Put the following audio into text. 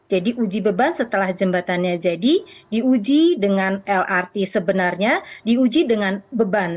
jadi uji beban setelah jembatannya jadi diuji dengan lrt sebenarnya diuji dengan beban